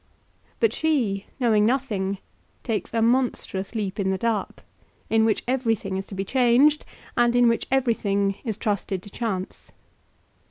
But she, knowing nothing, takes a monstrous leap in the dark, in which everything is to be changed, and in which everything is trusted to chance.